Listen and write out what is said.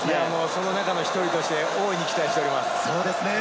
その中の１人として大いに期待しております。